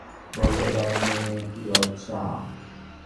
বলতে পারি নে এ কী লজ্জা।